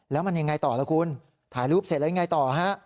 แล้วมันยังไงต่อล่ะคุณถ่ายรูปเสร็จแล้วยังไงต่อฮะ